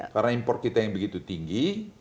karena import kita yang begitu tinggi